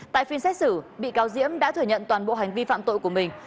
tại phiên xét xử bị cáo diễm đã thừa nhận toàn bộ hành vi phạm tội của mình